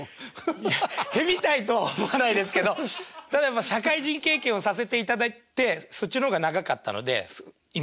いや屁みたいとは思わないですけど社会人経験をさせていただいてそっちの方が長かったので今でも。